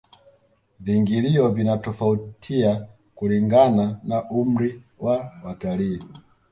viingilio vinatofautia kulingana na umri wa watalii